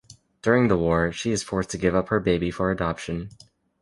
During the war, she is forced to give her baby up for adoption.